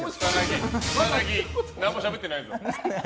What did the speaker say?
草薙、何もしゃべってないぞ。